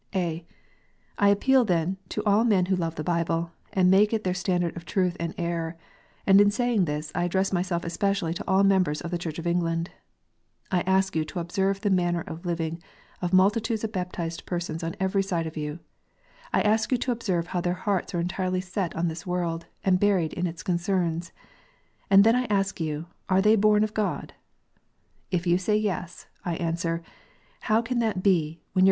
(a) I appeal then to all men who love the Bible, and make it their standard of truth and error; and in saying this, I address myself especially to all members of the Church of England. I ask you to observe the manner of living of multi tudes of baptized persons on every side of you, I ask you to observe how their hearts are entirely set on this world, and buried in its concerns. And I then ask you, Are they born of God 1 If you say Yes, I answer, How can that be, when your